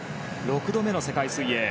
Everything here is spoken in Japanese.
６度目の世界水泳。